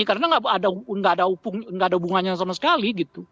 karena gak ada hubungannya sama sekali gitu